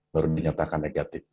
baru dinyatakan negatif